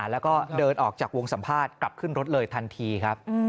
แล้วก็เดินออกจากวงสัมภาษณ์กลับขึ้นรถเลยทันทีครับ